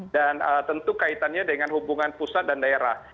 dan tentu kaitannya dengan hubungan pusat dan daerah